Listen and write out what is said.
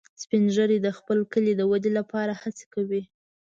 سپین ږیری د خپل کلي د ودې لپاره هڅې کوي